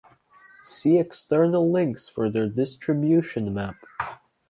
See External Links for their distribution map.